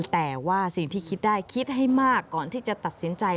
แต่ว่าสิ่งที่คิดได้คิดให้มากก่อนที่จะตัดสินใจ